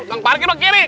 tukang parkir kiri